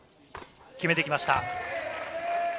決めてきました。